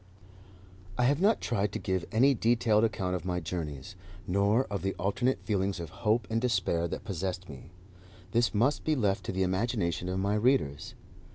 I have not tried to give any detailed account of my journeys, nor of the alternate feelings of hope and despair that possessed me. This must be left to the imagination of my readers.